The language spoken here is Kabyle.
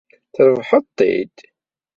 Trebḥed-t-id.